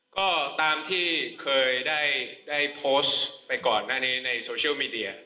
ก็ตามที่เคยได้โพสต์ไปก่อนหน้านี้ในโซเชียลมีเดีย